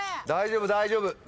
大丈夫大丈夫。